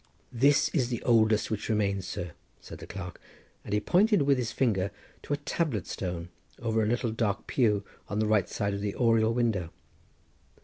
"This is the oldest which remains, sir," said the clerk, and he pointed with his finger to a tablet stone over a little dark pew on the right side of the oriel window.